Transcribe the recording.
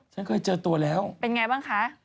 ฉันเคยเจอตัวแล้วเป็นไงบ้างคะ